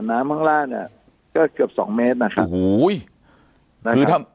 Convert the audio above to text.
น้ำข้างล่างเนี้ยก็เกือบสองเมตรนะครับโอ้โหนะคือถ้า